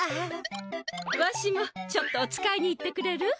わしもちょっとおつかいに行ってくれる？